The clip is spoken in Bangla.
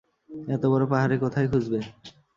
এত বড় পাহাড়ে কোথায় খুঁজবে?